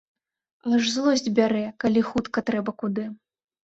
Аж злосць бярэ, калі хутка трэба куды.